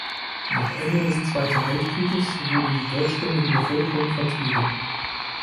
Nach Ende des Zweiten Weltkrieges wurde die deutschstämmige Bevölkerung vertrieben.